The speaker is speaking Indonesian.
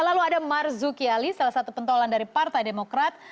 lalu ada marzuki ali salah satu pentolan dari partai demokrat